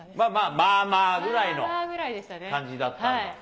まあまあぐらいの。感じだったんだ。